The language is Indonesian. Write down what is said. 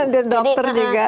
dan dokter juga